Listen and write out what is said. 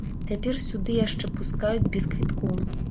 Цяпер сюды яшчэ пускаюць без квіткоў.